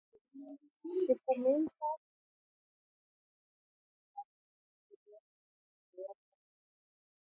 Shiku minta rimaka namiye mitanza kuria myoko sana